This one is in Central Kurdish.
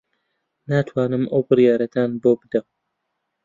ناتوانم ئەو بڕیارەتان بۆ بدەم.